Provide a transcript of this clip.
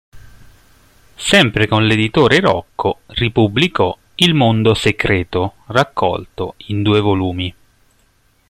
Sempre con l'Editore Rocco, ripubblicò "Il Mondo Secreto" raccolto in due volumi.